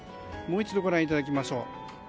もう一度ご覧いただきましょう。